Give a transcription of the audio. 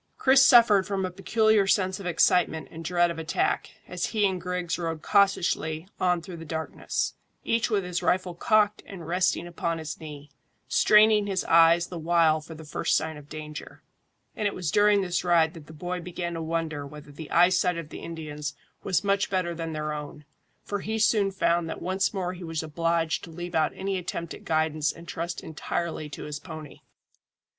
Chris suffered from a peculiar sense of excitement and dread of attack, as he and Griggs rode cautiously on through the darkness, each with his rifle cocked and resting upon his knee, straining his eyes the while for the first sign of danger. And it was during this ride that the boy began to wonder whether the eyesight of the Indians was much better than their own, for he soon found that once more he was obliged to leave out any attempt at guidance and trust entirely to his pony.